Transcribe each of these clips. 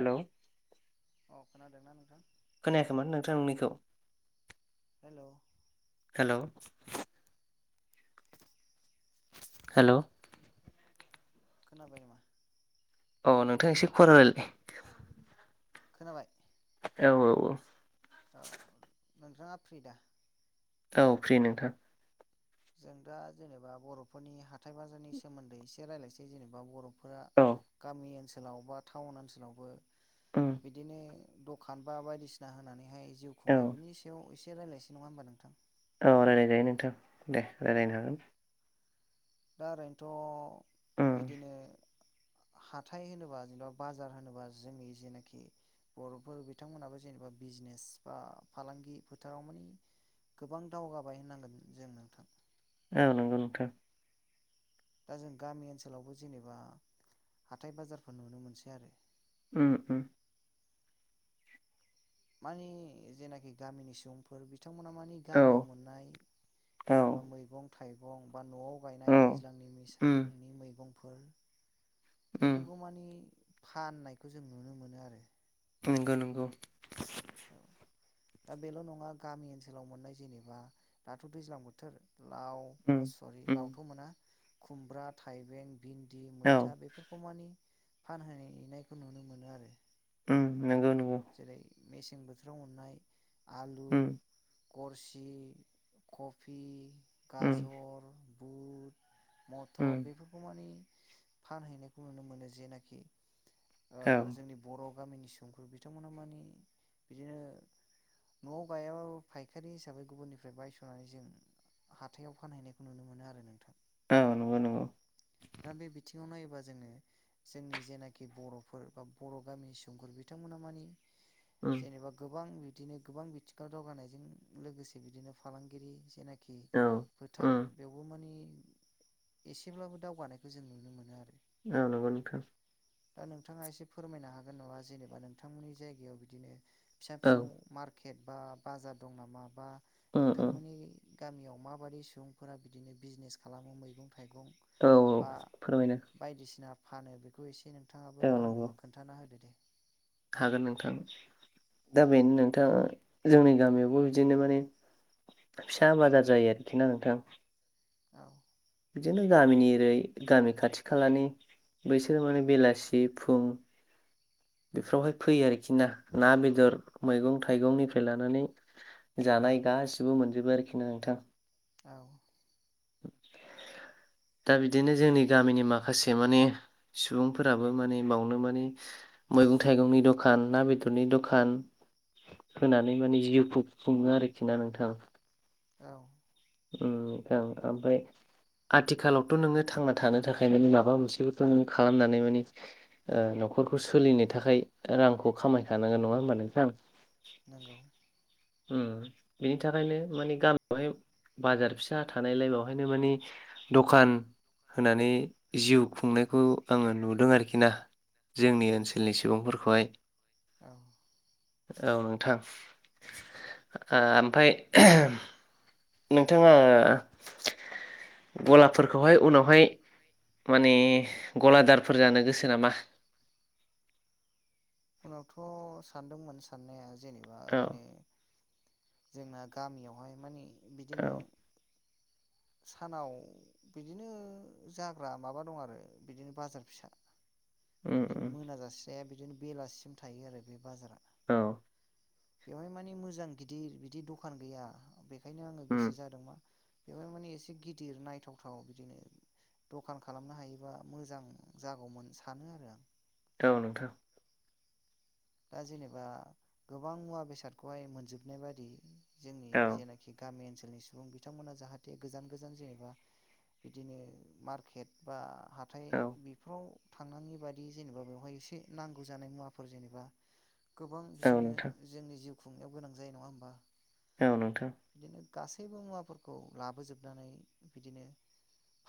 Hello अ खोनादोंना नोंथां खोनायाखैमोन नोंथां नोंनिखौ हेलौ हेलौ [inaudible] हेलौ खोनाबायना औ नोंथां एसे खरा रायलाय खोनाबाय औ औ औ नोंथाङा फ्रि दा औ फ्रि नोंथां जों दा जेनेबा बर'फोरनि हाथाय बाजारनि सोमोन्दै एसे रायज्लायनोसै जेनेबा बर' फोरा औ गामि ओनसोलाव बा टाउन ओनसोलावबो उम बिदिनो दखान बा बायदिसिना होनानैहाय जिउ औ खुंनाय बिनि सायाव एसे रायज्लायसै नङा होमबा नोंथां औ रायलायजायो नोंथां दे औ रायलायनो हागोन दा ओरैनोथ' उम बिदिनो हाथाय होनोबा जेनेबा बाजार होनोबा जोंनि जेनाखि बर'फोर बिथांमोनाबो जेनेबा बिजनेस बा फालांगि फोथाराव माने गोबां दावगाबाय होननांगोन जों नोंथां औ नंगौ नोंथां दा जों गामि ओनसोलावबो जेनेबा हाथाय बाजारफोर नुनो मोनसै आरो ओ ओ मानि जेनाखि गामिनि सुबुंफोर बिथांमोना मानि औ गामियाव मोननाय औ जेनेबा मैगं-थाइगं बा न'आव औ गायनाय दैज्लांनि उम मेसेंनि मैगंफोर उम बेफोरखौ मानि फाननायखौ जों नुनो मोनो आरो नंगौ नंगौ औ दा बेल' नङा गामि ओनसोलाव मोननाय जेनेबा दाथ' दैज्लां बोथोर लाव उम अ सरि उम लावथ' मोना खुमब्रा थाइबें भिनदि, औ मैथा बेफोरखौ मानि फानहैनायखौ नुनो मोनो आरो उम नंगौ नंगौ जेरै मेसें बोथोराव मोननाय आलु उम गरसि, कफि, उम गाजर, बुद उम मटर बेफोरखौ मानि फानहैनायखौ नुनो मोनो जेनाखि ओ औ जोंनि बर' गामिनि सुबुंफोर बिथांमोना मानि बिदिनो न'आव गायाब्लाो फायखारि हिसाबै गुबुननिफ्राय बायस'नानै जों हाथायाव फानहैनायखौ नुनो मोनो आरो नोंथां औ नंगौ नंगौ दा बे बिथिङाव नायोबा जोङो जोंनि जेनाखि बर'फोर बा बर' गामिनि सुबुंफोर बिथांमोना मानि उम जेनेबा गोबां बिदिनो गोबां बिथिङाव दावगानायजों लोगोसे बिदिनो फालांगिरि जेनाखि औ खि उम फोथार बेवबो माने एसेब्लाबो दावगानायखौ जों नुनो मोनो आरो आ नांगौ नोंथां दा नोंथाङा एसे फोरमायनो हागोन नङा जेनेबा नोंथांमोननि जायगायाव बिदिनो फिसा औ फिसौ मार्केट बा बाजार दं नामा बा उम उम नोंथांमोननि गामियाव माबादि सुबुंफोरा बिदिनो बिजनेस खालामो मैगं- थाइगं औ बा फोरमायनो बायदिसिना फानो बेखौ एसे नों नोंथाङाबो औ आंनो नंगौ खोनथाना होदो दे हागोन नोंथां दा बेनो नोंथाङा जोंनि गामियावबो बिदिनो माने फिसा बाजार जायो आरोखि ना नोंथां औ बिदिनो गामिनि ओरै गामि खाथि-खालानि बैसोरो माने बेलासि फुं बेफोरावहाय फैयो आरोखि ना ना बेदर मैगं थाइगंनिफ्राय लानानै जानाय गासिबो मोनजोबो आरोखि ना नोंथां औ दा बिदिनो जोंनि गामिनि माखासे माने सुबुंफोराबो माने बावनो माने मैगं-थाइगंनि द'खान ना बेदरनि द'खान होनानै माने जिउखौ खुङो आरोखि ना नोंथां औ ओम ओम ओमफ्राय आथिखालावथ' नोङो थांना थानो थाखाय माबा मोनसेखौथ' नोङो खालामनानै मानि ओ नख ' खरखौ सोलिनो थाखाय रांखौ खामायखानांगोन नङा होमबा नोंथां नंगौ ओम बिनि थाखायनो मानि गामियावहाय बाजार फिसा थानायलाय बेवहायनो मानि द'खान होनानै जिउ खुंनायखौ आङो नुदों आरोखि ना जोंनि ओनसोलनि सुबुंफोरखौहाय औ औ नोंथां आ ओमफ्राय नोंथाङा ग'लाफोरखौहाय उनावहाय माने ग'लादारफोर जानो गोसो नामा? उनावथ' सानदोंमोन साननाया जेनेबा औ ओरैनो। जोंना गामियावहाय माने औ बिदिनो। सानाव बिदिनो जाग्रा माबा दं आरो बिदिनो बाजार फिसा उम बिदिनो उम मोनाजासे जाया बिदिनो बेलासिसिम थायो आरो बे बाजारा। औ। बेवहाय माने मोजां गिदिर बिदि दखान गैया बेखायनो आंङो उम गोसो जादों मा। बेफोर माने एसे गिदिर नायथावथाव बिदिनो। दखान खालामनो हायोबा मोजां जागौमोन सानो आरो आं। औ नोंथां। दा जेनेबा गोबां मुवा बेसादखौहाय मोनजोबनाय बादि। जोंनि औ जेनाखि गामि ओनसोल। ओनसोलनि सुबुं बिथांमोना जाहाथे गोजान गोजान जेनेबा बिदिनो मारकेट बा। हाथाय औ बिफोराव थांनांङि बादि जेनेबा बेवहाय इसे नांगौ जानाय मुवाफोर जेनेबा। गोबां औ बिदिनो नोंथां जोंनि जिउ खुंनायाव गोनां जायो नङा होमबा। औ नोंथां। बिदिनो गासैबो मुवाफोरखौ लाबोजोबनानै बिदिनो।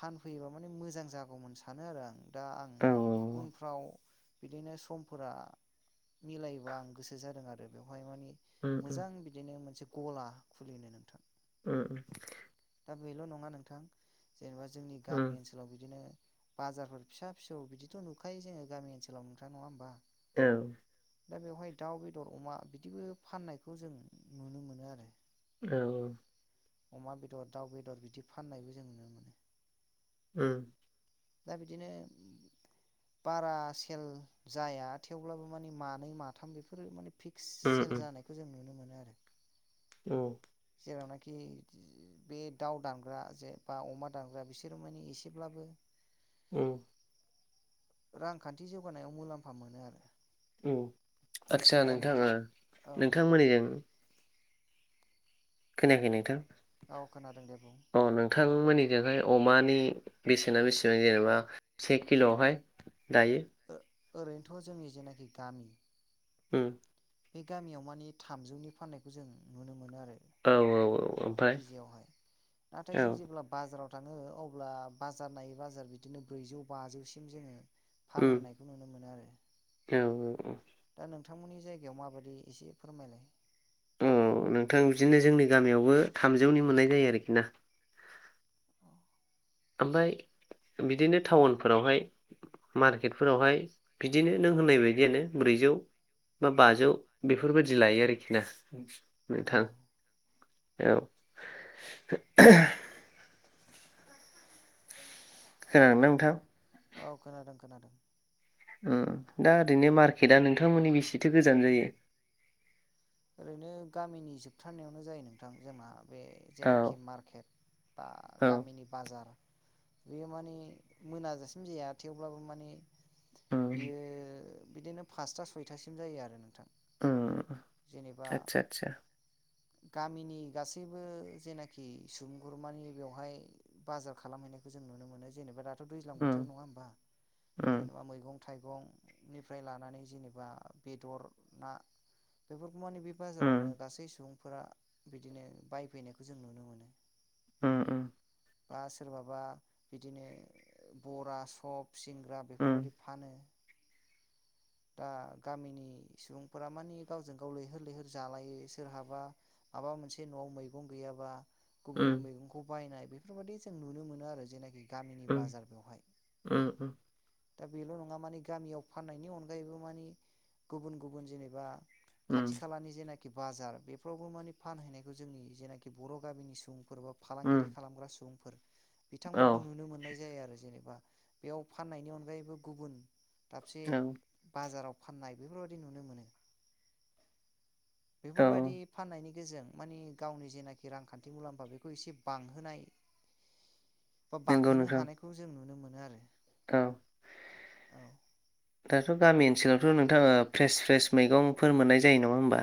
फानफैयोबा माने मोजां जागौमोन सानो आरो आं। दा आं औ औ उनफ्राव बिदिनो समफोरा। मिलायोबा आं गोसो जादों आरो बेवहाय मानि उम उम मोजां बिदिनो मोनसे। गला खुलिनो नोंथां। उम उम। दा बेल' नङा नोंथां जेनेबा जोंनि उम गामि ओनसोलाव बिदिनो। बाजारफोर फिसा फिसौ बिदिथ' नुखायो जोङो गामि ओनसोलाव नोंथां नङा होमबा। औ। दा बेवहाय दाउ बेदर अमा बिदिबो फाननायखौ जों नुनो मोनो आरो। औ। अमा बेदर दाउ बेदर बिदि फाननायबो जों नुनो मोनो। ओम। दा बिदिनो। बारा सेल जाया थेवब्लाबो माने मानै माथाम बेफोरो माने। फिक्स सेल जानायखौ जों नुनो मोनो आरो। औ। जेरावनाखि बे दाउ दानग्रा जे बा अमा दानग्रा बिसोरो माने इसेब्लाबो। औ। रांखान्थि जौगानायाव मुलाम्फा मोनो आरो। औ आदसा नोंथां ओ औ नोंथांमोननिजों। खोनायाखै नोंथां। औ खोनादों दे। बुं अ नोंथांमोननिजोंहाय अमानि बेसेना बेसेबां जेनेबा से किल'आवहाय? दायो ओरैनोथ' जोंनि जेनाखि गामि। ओम। बे गामियाव मानि थामजौनि फान्नायखौ जों नुनो मोनो आरो। औ औ औ ओमफाय केजियावहाय नाथाय औ। जों जेब्ला बाजाराव थाङो अब्ला बाजार नायै बाजार बिदिनो ब्रैजौ बाजौसिम जोङो। उम फानहोनायखौ नुनो मोनो आरो। औ औ दा औ। नोंथांमोननि जायगायाव माबायदि एसे फोरमायलाय। अ नोंथां बिदिनो जोंनि गामियावबो थामजौनि मोननाय जायो आरोखि ना। ओमफ्राय बिदिनो टाउनफोरावहाय। मार्केटफोरावहाय बिदिनो नों होननाय बायदियानो ब्रैजौ। बा बाजौ बेफोरबादि लायो आरोखि ना। औ नोंथां औ। ओ नोंथां। औ खोनादों खोनादों। दा ओरैनो मार्केटा नोंथांमोननि बेसेथो गोजान जायो ओरैनो गामिनि जोबथारनायावनो जायो नोंथां जोंना बे औ जेनाखि मार्केट बा औ गामिनि बाजार बेयो माने मोनाजासिम जाया थेवब्लाबो माने उम बियो बिदिनो फासथा सयथासिम जायो आरो नोंथां अ जेनेबा आतसा आटसा गामिनि गासैबो जेनाखि सुमगुरमानि बेवहाय बाजार खालामहैनाय जों‌ नुनो मोनो जेनबा दाथ' दैज्लां उम बोथोर नङा होमबा उम जेनेबा मैगं थाइगंनिफ्राय लानानै जेनेबा बेदर ना बे माने बे बाजारावनो उम गासै सुबुंफोरा बिदिनो बायफैनायखौ जों नुनो मोनो ओम ओम बा सोरबाबा बिदिनो बरा सब सिंग्रा बेफोरबायदि उम फानो दा गामिनि सुबुंफोरा मानि गावजों गाव लैहोर लैहोर जालायो सोरहाबा माबा मोनसे न'आव मैगं गैयाबा उम गुबुननि मैगंखौ बायनाय बेफोरबायाददि जों नुनो मोनो आरो जेनाखि गामिनि उम बाजार बेवहाय उम दा बेल' नङा मानि गामियाव फाननायनि अनगायैबो मानि गुबुन गुबुन जेनेबा उम खाथि खालानि जेनाखि बाजार बेफोरावबो मानिे फानहैनायखौ जोंनि जेनाखि बर' गामिनि सुबुं फोर बा फालांगिरि उम खालामग्रा सुबुंफोर औ बिथांमोनखौ नुनो मोननाय जायो आरो जेनेबा बेयाव फाननायनि अनगायैबो गुबुन दाबसे औ बाजाराव फाननाय बेफोरबायदि नुनो मोनो औ बेफोरबायदि फाननायनि गेजेरजों माने गावनि जेखि रांखान्थि मुलाम्फा बेखौ एसे बांहोनाय बा नंगौ बांहोनो नोंथां हानायखौ जों नुनो मोनो आरो औ औ दाथ' गामि ओनसोलावथ' नोंथाङा फ्रेस फ्रेस मैगंफोर मोननाय जायो नङा होमबा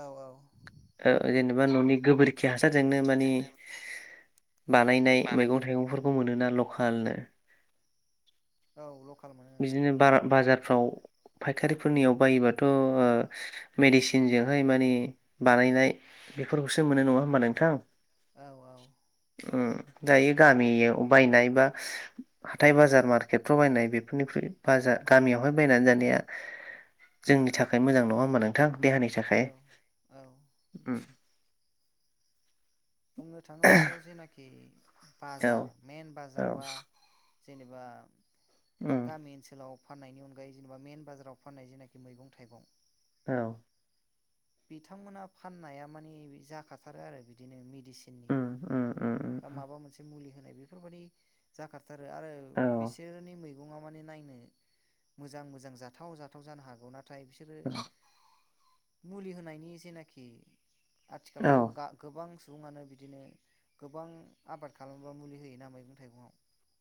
औ औ जेनेबा न'नि गोबोरखि हासारजोंनो मानि बानायनाय मैगं थाइगंफोरखौ मोनोना लकेलनो औ ल बिदिनो बाजारफ्राव फायखारिफोरनियाव बायोबाथ' मेडिसिनजोंहाय मानिे बानायनाय बेफोरखौसो मोनो नङा होमबा नोंथां औ औ दायो गामियाव बायनाय बा हाथाय बाजार मार्केटफ्राव बायनाय बे बेफोरनिख्रुय बाजार गामियावहाय बायनानै जानाया जोंनि थाखाय मोजां नङा होमब्ला नोंथां देहानि औ थाखाय औ बुंनो थाङोबाथ' जेनाखि औ बाजार मेन औ बाजार बा जेनेबा उम गामि ओनसोलाव फाननायनि अनगायै जेनेबा मेन बाजाराव फाननाय जेनाखि मैगं थाइगं औ बिथांमोना फाननाया माने जाखाथारो आरो बिदिनो मेडिसिननि उम उम उम उम बा माबा मोनसे मुलि होनाय बेफोरबायदि जाखा थारो आरो औ बिसोरनि मैगं सुबुङा माने नायनो मोजां मोजां जाथाव जाथाव जानो हागौ ना नाथाय बिसोरो मुलि होनायनि जेनाखि औ आथिखालावथ' गोबां सुबुङानो बिदिनो गोबां आबाद खालामोबा मुलि होयोना मैगं थाइगङाव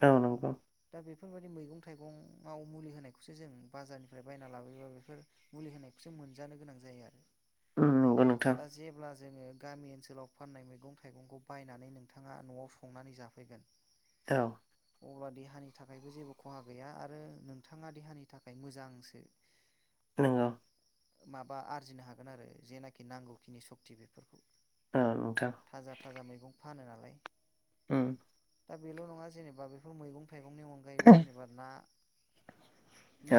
औ नंगौ दा बेफोरबायदि मैगं थाइगंआव मुलि होनायखौसो जों बाजारनिफ्राय बायना लाबोयोबा बेफोर मुलि होनायखौ जों मोनजानो गोनां जायो आरो उम नंगौ नोंथां दा जेब्ला जोङो गामि ओनसोलाव फाननाय मैगं थाइगंखौ बायनानै नोंथाङा न'आव संनानै जाफैगोन औ अब्ला देहानि थाखायबो जेबो खहा गैया आरो नोंथाङा देहानि थाखाय मोजांसो नंगौ माबा आरजिनो हागोन आरो जेनाखि नांगौखिनि सक्ति बेफोरखौ औ नोंथां थाजा थाजा मैगं फानो नालाय उम दा बेल' नङा जेनेबा बेफोर मैगं थाइगंनि अनगायैबो जेनेबा ना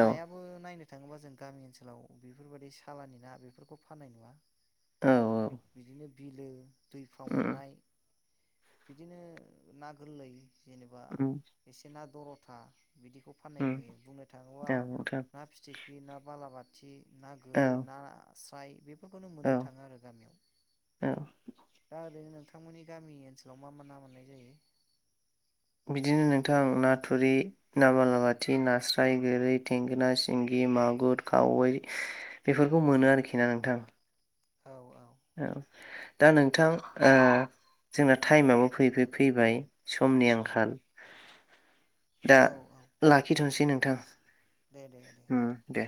औ नायनो थाङोब्ला जों गामि ओनसोलाव बेफोरबायदि सालानि ना बेफोरखौ फाननाय नुवा औ औ बिदिनो बिलो दैफ्राव उम मोननाय बिदिनो ना गोरलै जेनेबा उम बिसना दरथा बिदिखौ फाननाय उम नुयो बुंनो थाङोबा औ नोंथां ना फिथिखि ना बालाबाथि ना औ गोरै नाास्राय बे बेफोरखौनो औ मोननो थाङो आरो गामियाव औ दा ओरैनो नोंथांमोननि गामि ओनसोलाव मा मा ना मोननाय जायो? बिदिनो नोंथां ना थुरि ना बालाबाथि नास्राय गोरै थेंगोना सिंगि मागुर खावै बेफोरखौ मोनो आरोखि ना नोंथां औ औ औ दा नोंथां ओ जोंना टाइमाबो फै फै फैबाय समनि आंखाल दा औ औ लाखिथ'सै नोंथां दे दे दे नोंथां दे।